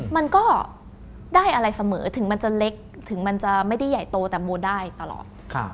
มันก็ได้อะไรเสมอถึงมันจะเล็กถึงมันจะไม่ได้ใหญ่โตแต่โมได้ตลอด